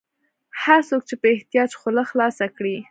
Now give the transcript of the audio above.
هر څوک چې په احتیاج خوله خلاصه کړي.